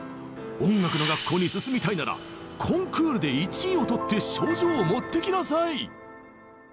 音楽の学校に進みたいならコンクールで１位を取って賞状を持ってきなさい！